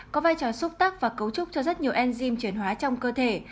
có vai trò xúc tắc và cấu trúc cho rất nhiều enzim chuyển hóa trong cơ thể